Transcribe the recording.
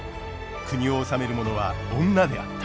国を治める者は女であった。